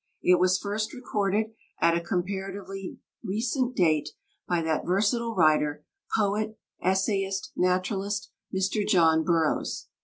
It was first recorded, at a comparatively recent date, by that versatile writer poet, essayist, naturalist Mr. John Burroughs.